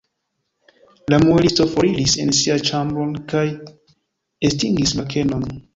La muelisto foriris en sian ĉambron kaj estingis la kenon.